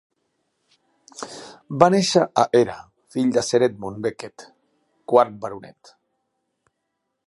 Va néixer a Era fill de Sir Edmund Beckett, quart baronet.